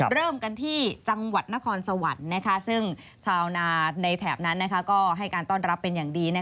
เริ่มกันที่จังหวัดนครสวรรค์ซึ่งชาวนาในแถบนั้นก็ให้การต้อนรับเป็นอย่างดี